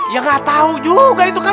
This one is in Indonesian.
ya nggak tahu juga itu kan